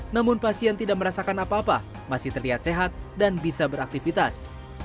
namun pasien tidak merasakan apa apa masih terlihat sehat dan bisa beraktivitas